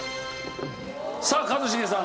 さあ一茂さん。